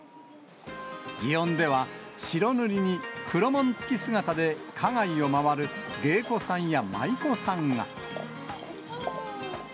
祇園では、白塗りに黒紋付き姿で花街を回る芸妓さんや舞妓さんが。